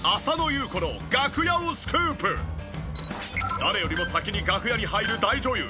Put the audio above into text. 誰よりも先に楽屋に入る大女優。